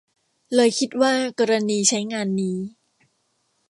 เลยคิดว่ากรณีใช้งานนี้